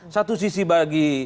satu sisi bagi